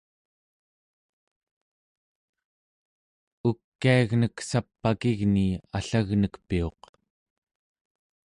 ukiagnek sap'akigni allagnek piuq